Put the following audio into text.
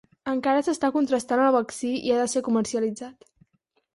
Encara s'està contrastant el vaccí i ha de ser comercialitzat.